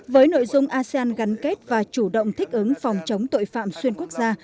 với nội dung asean gắn kết và chủ động thích ứng phòng chống tội phạm xuyên quốc gia